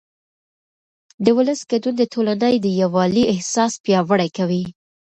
د ولس ګډون د ټولنې د یووالي احساس پیاوړی کوي